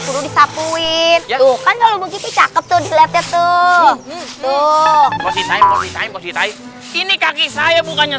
perlu disapuin jauhkan kalau begitu cakep tuh diletak tuh tuh ini kaki saya bukannya